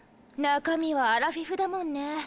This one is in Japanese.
中身はアラフィフだもんね。